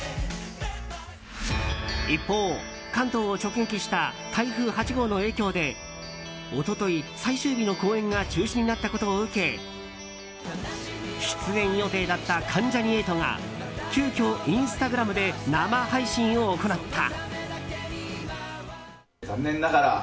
一方、関東を直撃した台風８号の影響で一昨日、最終日の公演が中止になったことを受け出演予定だった関ジャニ∞が急きょ、インスタグラムで生配信を行った。